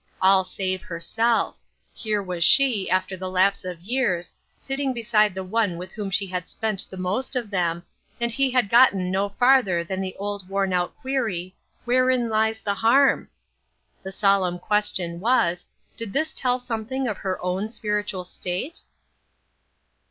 All save herself ; here was she, after the lapse of years, sitting beside the one with whom she had spent the most of them, and he had gotten no farther than the old worn out query, "Wherein lies the harm?" The solemn question was, Did this tell something of her own spiritual state